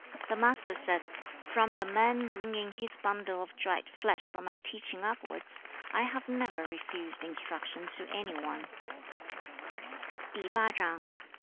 The Master said, 'From the man bringing his bundle of dried flesh for my teaching upwards, I have never refused instruction to any one.'